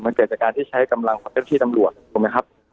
มันเกิดจากการที่ใช้กำลังความเยอะที่ตำรวจถูกมั้ยครับ